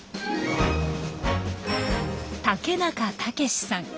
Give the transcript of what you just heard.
竹中健さん。